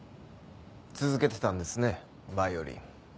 続けてたんですねヴァイオリン。